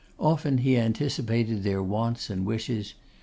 Often he anticipated their wants and wishes.